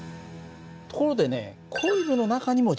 ところでね